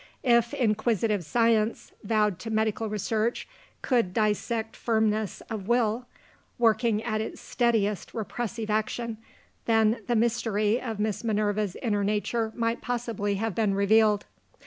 If Inquisitive Science, vowed to medical research, could dissect firmness of will, working at its steadiest repressive action then, the mystery of Miss Minerva's inner nature might possibly have been revealed.